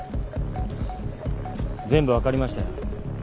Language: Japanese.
全部分かりましたよ。